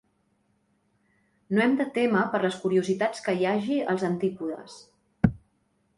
No hem de témer per les curiositats que hi hagi als antípodes.